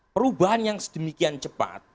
perubahan yang sedemikian cepat